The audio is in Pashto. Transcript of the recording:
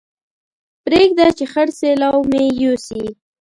پرېږده چې خړ سېلاو مې يوسي